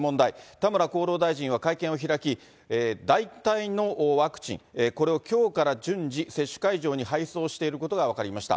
田村厚労大臣は会見を開き、代替のワクチン、これをきょうから順次、接種会場に配送していることが分かりました。